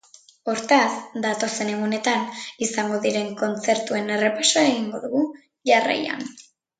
Hortaz, datozen egunetan izango diren kontzertuen errepasoa egingo dugu, jarraian.